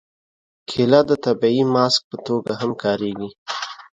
کېله د طبیعي ماسک په توګه هم کارېږي.